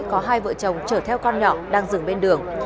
có hai vợ chồng chở theo con